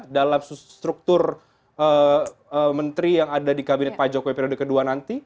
dalam struktur menteri yang ada di kabinet pak jokowi periode kedua nanti